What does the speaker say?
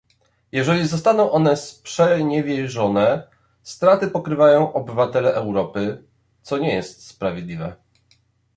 Jeżeli zostaną one sprzeniewierzone, straty pokrywają obywatele Europy, co nie jest sprawiedliwe